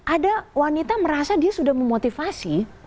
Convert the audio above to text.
ada wanita merasa dia sudah memotivasi